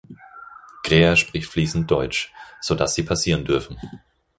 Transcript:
Greer spricht fließend Deutsch, sodass sie passieren dürfen.